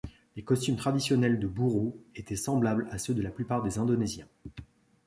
Les costumes traditionnels de Buru étaient semblables à ceux de la plupart des indonésiens.